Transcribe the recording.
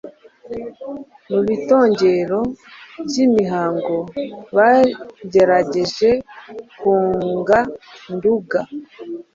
Mu bitongero by'imihango bagerageje kunga Nduga